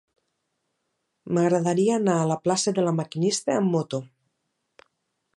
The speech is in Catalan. M'agradaria anar a la plaça de La Maquinista amb moto.